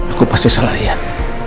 aku pasti salah lihat